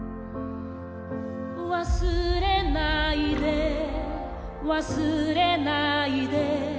「忘れないで忘れないで」